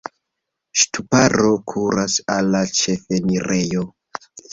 Ŝtuparo kuras al la ĉefenirejo.